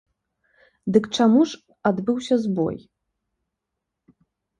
Дык чаму ж адбыўся збой?